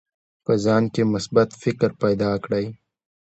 په ځان کې مثبت فکر پیدا کړئ.